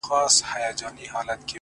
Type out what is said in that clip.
ستا څخه ډېر تـنگ،